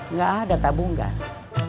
nggak ada tabung gas